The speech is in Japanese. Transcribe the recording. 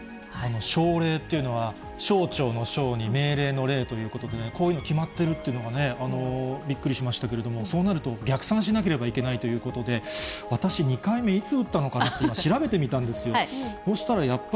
省令というのは、省庁のしょうに命令の令ということでね、こういうの決まってるというのがね、びっくりしましたけれども、そうなると逆算しなければいけないということで、私、２回目いつ打ったのかなって調べてみたんですよ。